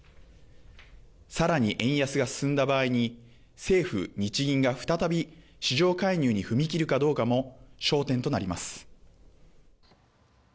さらに円安が進んだ場合に政府・日銀が再び市場介入に踏み切るかどうかも焦点となります。